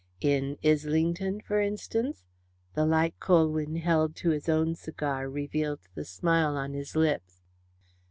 "In Islington, for instance?" The light Colwyn held to his own cigar revealed the smile on his lips.